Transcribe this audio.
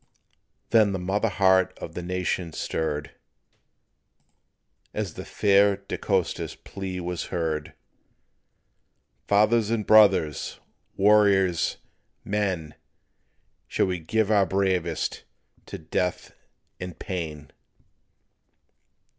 Then the mother heart of the nation stirred, As the fair De Costa's plea was heard: "Fathers and brothers! warriors, men! Shall we give our bravest to death and pain?